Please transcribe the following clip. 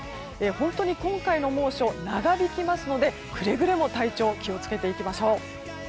本当に今回の猛暑、長引きますのでくれぐれも体調に気を付けていきましょう。